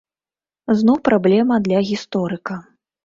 Зноў праблема для гісторыка.